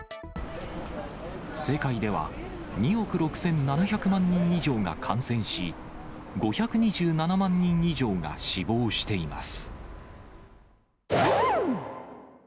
世界では、２億６７００万人以上が感染し、５２７万人以上が死亡しています。